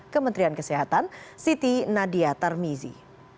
kementerian kesehatan siti nadia tarmizi